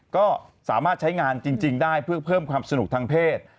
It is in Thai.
ก็สามารถใช้งานจริงได้เพื่อเพิ่มความสนุกทางเพศ